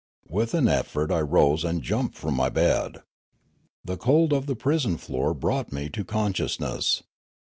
With an effort I rose and jumped from my bed. The cold of the prison floor brought me to consciousness.